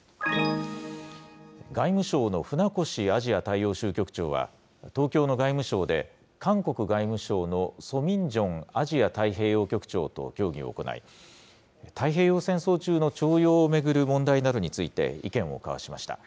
外務省の船越アジア大洋州局長は、東京の外務省で、韓国外務省のソ・ミンジョンアジア太平洋局長と協議を行い、太平洋戦争中の徴用を巡る問題などについて、意見を交わしました。